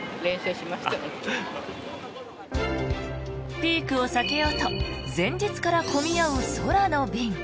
ピークを避けようと前日から混み合う空の便。